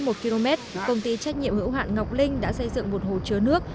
một km công ty trách nhiệm hữu hạn ngọc linh đã xây dựng một hồ chứa nước